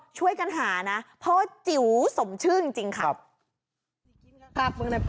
ช่วยกันหานะเพราะว่าจิ๋วสมชื่อจริงค่ะ